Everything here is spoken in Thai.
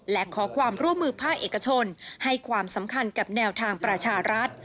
และขอความร่วมมือภาคเอกชนให้ความสำคัญกับแนวทางประชารัฐ